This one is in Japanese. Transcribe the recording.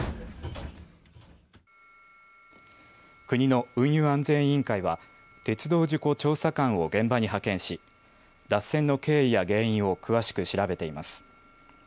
国の運輸安全委員会は鉄道事故調査官を現場に派遣し脱線の経緯や原因を詳しく調べています。